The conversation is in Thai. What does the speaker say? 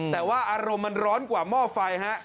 แต่ว่าอารมณ์มันร้อนกว่าหม้อไฟฮะ